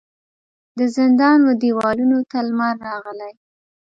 د زندان و دیوالونو ته لمر راغلی